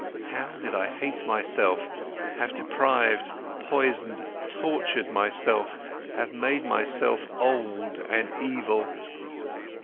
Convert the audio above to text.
How I hated myself, have deprived, poisoned, tortured myself, have made myself old and evil!